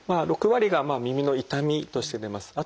６割が耳の痛みとして出ます。